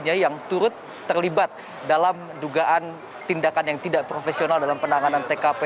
yang turut terlibat dalam dugaan tindakan yang tidak profesional dalam penanganan tkp